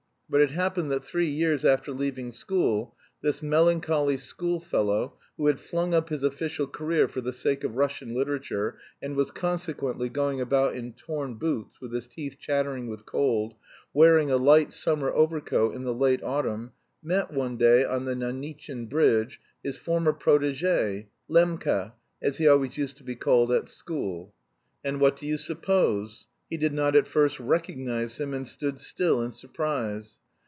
But it happened that three years after leaving school this melancholy schoolfellow, who had flung up his official career for the sake of Russian literature, and was consequently going about in torn boots, with his teeth chattering with cold, wearing a light summer overcoat in the late autumn, met, one day on the Anitchin bridge, his former protégé, "Lembka," as he always used to be called at school. And, what do you suppose? He did not at first recognise him, and stood still in surprise.